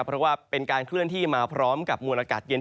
เพราะว่าเป็นการเคลื่อนที่มาพร้อมกับมวลอากาศเย็น